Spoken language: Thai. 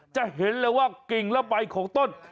จะเห็นเลยว่ากิ่งและใบของต้น